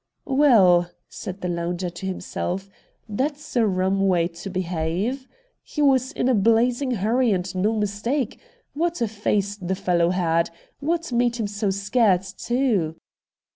' Well,' said the lounger to himself, ' that's a rum way to behave. He was in a blazing hurry and no mistake. What a face the fellow had ! What made him so scared, too